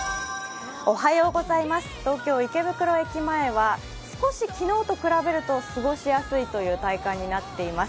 東京・池袋駅前は少し昨日と比べると過ごしやすいという体感になっています。